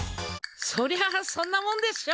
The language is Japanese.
そりゃそんなもんでしょ。